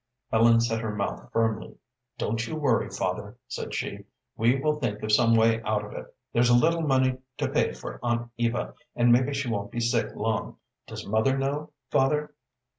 Ellen set her mouth firmly. "Don't you worry, father," said she. "We will think of some way out of it. There's a little money to pay for Aunt Eva, and maybe she won't be sick long. Does mother know, father?"